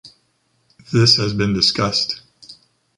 This has been discussed.